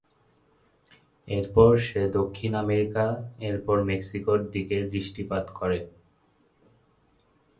এরপর সে দক্ষিণ আমেরিকা এরপর মেক্সিকোর দিকে দৃষ্টিপাত করে।